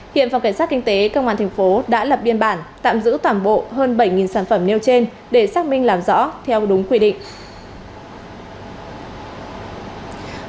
hiện phòng cảnh sát kinh tế công an thành phố đã lập biên bản tạm giữ toàn bộ hơn bảy sản phẩm nêu trên để xác minh làm rõ theo đúng quy định